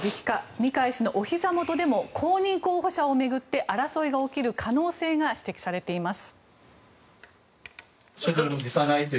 二階氏のおひざ元でも公認候補者を巡って争いが起きる可能性が指摘されています。